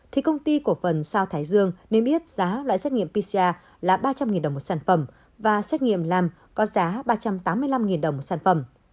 thì công ty cổ phần sao thái dương niêm yết giá loại xét nghiệm pcr là ba trăm linh đồng một sản phẩm và xét nghiệm làm có giá ba trăm tám mươi năm đồng một sản phẩm